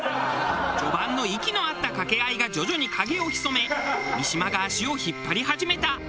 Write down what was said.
序盤の息の合った掛け合いが徐々に影を潜め三島が足を引っ張り始めた。